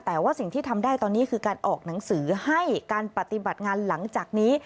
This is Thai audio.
แต่ว่าสิ่งที่ทำได้ตอนนี้คือการออกหนังสือให้การปฏิบัติงานหลังจากนี้